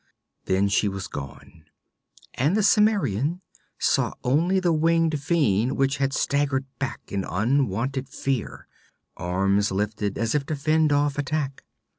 Then she was gone, and the Cimmerian saw only the winged fiend which had staggered back in unwonted fear, arms lifted as if to fend off attack.